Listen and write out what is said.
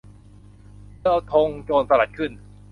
เธอเอาธงโจรสลัดขึ้น